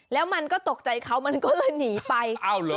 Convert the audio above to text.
แล้วมันก็ตกใจเขาด้วยหนีไปเอ้าเหรอ